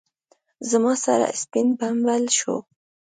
زما سر سپين بمبل شو.